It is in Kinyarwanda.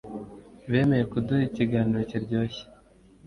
Bemeye kuduha ikiganiro kiryoshye